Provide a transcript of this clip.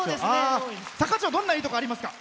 坂町、どんないいところがありますか？